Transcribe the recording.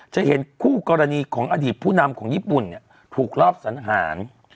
จะเห็นคู่กรณีของอดีตผู้นำของญี่ปุ่นถูกรอบสังหาร